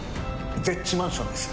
ＺＥＨマンションです。